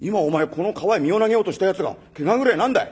この川へ身を投げようとしたやつがけがぐれえ何だい！